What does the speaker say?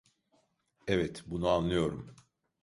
Evet, bunu anlıyorum.